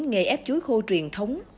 nghề ép chuối khô truyền thống